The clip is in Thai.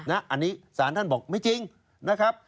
อันนี้ศาลท่านบอกไม่จริงนะครับ